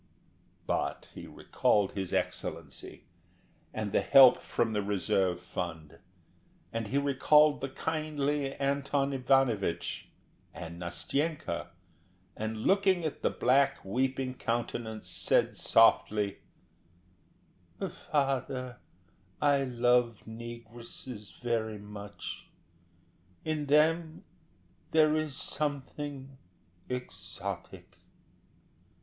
But he recalled his Excellency, and the help from the reserve fund, he recalled the kindly Anton Ivanovich, and Nastenka, and looking at the black weeping countenance, said softly: "Father, I love negresses very much. In them there is something exotic."